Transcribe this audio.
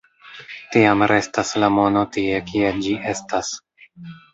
Tiam restas la mono tie, kie ĝi estas.